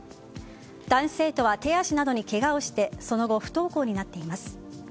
男子生徒は手足などにけがをしてその後、不登校になっています。